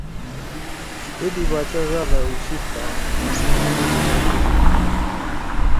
اے دی باچا ڙادا اُوشیِد تا تیِسی مُو اے دیِشا کیِݜی ہُوشُو۔